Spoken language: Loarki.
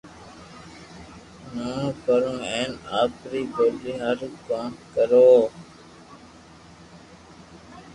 مون ڪرو ھين آپرو ٻولي ھارون ڪوم ڪرو